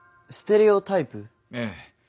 ええ。